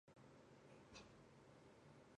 维尔斯特是德国下萨克森州的一个市镇。